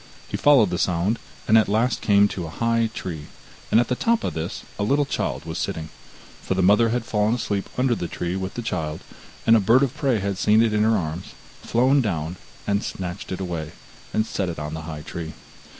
He followed the sound, and at last came to a high tree, and at the top of this a little child was sitting, for the mother had fallen asleep under the tree with the child, and a bird of prey had seen it in her arms, had flown down, snatched it away, and set it on the high tree.